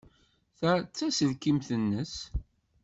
Ta d taselkimt-nnes.